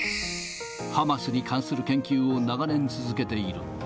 ハマスに関する研究を長年、続けている。